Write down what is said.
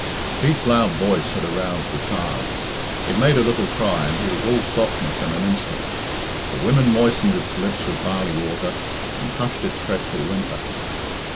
Pete's loud voice had aroused the child. It made a little cry, and he was all softness in an instant. The women moistened its lips with barley water, and hushed its fretful whimper.